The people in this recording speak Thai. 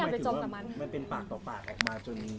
หมายถึงว่ามันเป็นปากต่อปากออกมาจน